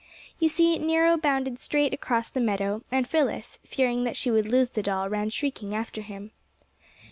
You see, Nero bounded straight across the meadow and Phyllis, fearing that she would lose the doll, ran shrieking after him.